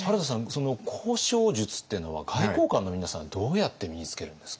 その交渉術っていうのは外交官の皆さんどうやって身につけるんですか？